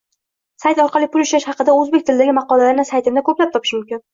Sayt orqali pul ishlash haqidagi o’zbek tilidagi maqolalarni saytimda ko’plab topish mumkin